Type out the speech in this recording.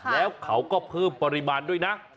แล้วเขาก็เพิ่มปริมาณด้วยนะ